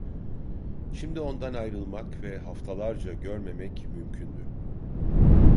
Şimdi ondan ayrılmak ve haftalarca görmemek mümkündü.